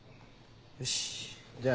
よしじゃあ